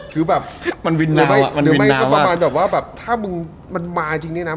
คือแบบหรือไม่ประมาณแบบว่าถ้ามันมาจริงนี่นะ